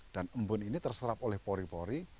dan embun ini terserap oleh pori pori